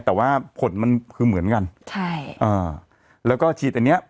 แต่ว่าผลมันคือเหมือนกันใช่อ่าแล้วก็ฉีดอันเนี้ย